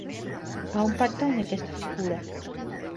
A on pertany aquest figura?